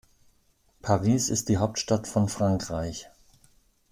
Paris ist die Hauptstadt von Frankreich.